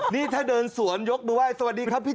นี่ถ้าเดินสวนยกมือไห้สวัสดีครับพี่